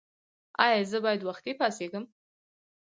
ایا زه باید وختي پاڅیږم؟